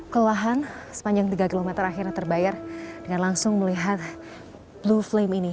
kelahan sepanjang tiga km akhirnya terbayar dengan langsung melihat blue flame ini